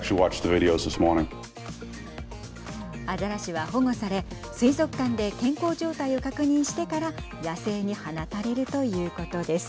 アザラシは保護され水族館で健康状態を確認してから野生に放たれるということです。